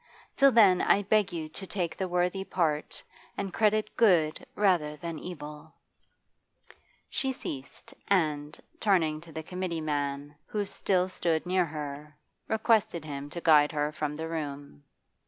Till then I beg you to take the worthy part and credit good rather than evil.' She ceased, and, turning to the committee man, who still stood near her, requested him to guide her from the room.